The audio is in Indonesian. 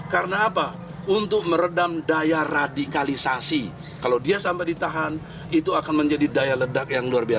karena apa untuk meredam daya radikalisasi kalau dia sampai ditahan itu akan menjadi daya ledak yang luar biasa